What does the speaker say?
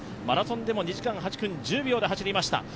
マラソンでも２時間８分１０秒で走りました。